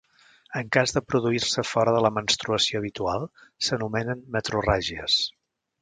En cas de produir-se fora de la menstruació habitual s'anomenen metrorràgies.